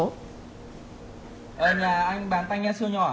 anh là anh bán tai nghe siêu nhỏ hả anh